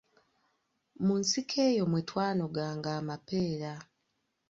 Mu nsiko eyo mwe twanoganga amapeera.